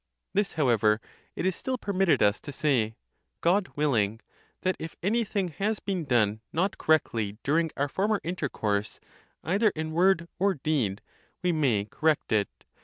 This however it is still permitted us to say, god willing, that if any thing has been done not correctly during our former intercourse, either in word or deed, we may cor rect it.